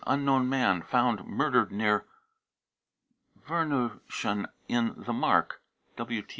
unknown man, found murdered near Werneuchen in the Mark.